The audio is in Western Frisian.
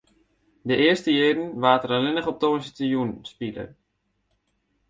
De earste jierren waard der allinne op tongersdeitejûn spile.